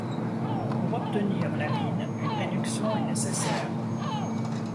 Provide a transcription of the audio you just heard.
Pour obtenir l'amine, une réduction est nécessaire.